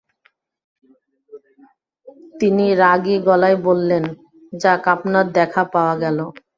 তিনি রাগী গলায় বললেন, যাক, আপনার দেখা পাওয়া গেল।